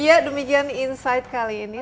ya demikian insight kali ini